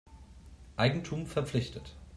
Eigentum verpflichtet.